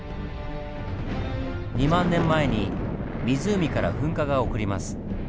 ２万年前に湖から噴火が起こります。